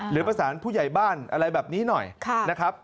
หรือประสานผู้ใหญ่บ้านอะไรแบบนี้หน่อยนะครับ